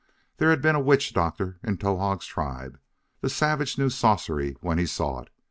There had been a witch doctor in Towahg's tribe; the savage knew sorcery when he saw it.